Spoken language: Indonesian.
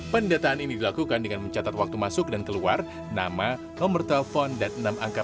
pendataan ini dilakukan dengan mencatat waktu masuk dan keluar nama nomor telepon dan enam angka